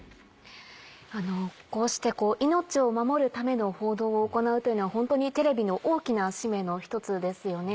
こうして命を守るための報道を行うというのはホントにテレビの大きな使命の１つですよね。